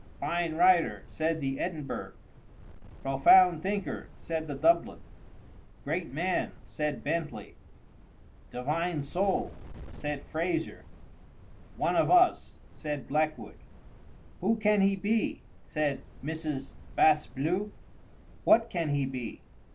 "Fine writer!" said the Edinburgh. "Profound thinker!" said the Dublin. "Great man!" said Bentley. "Divine soul!" said Fraser. "One of us!" said Blackwood. "Who can he be?" said Mrs. Bas Bleu. "What can he be?"